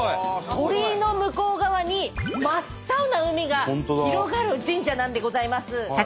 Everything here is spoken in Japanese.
鳥居の向こう側に真っ青な海が広がる神社なんでございます。